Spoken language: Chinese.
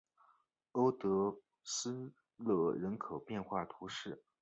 欧德维勒人口变化图示